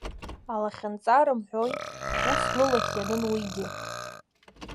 Алахьынҵа рымҳәои, ус лылахь ианын уигьы.